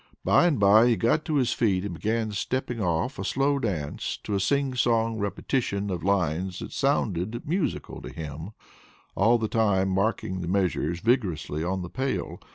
By and by he got to his feet and began stepping off a slow dance to a sing song repetition of lines that sounded musical to him, all the time marking the measures vigorously on the pail.